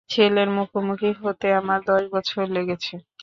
ছেলের মুখোমুখি হতে আমার দশ বছর লেগেছে।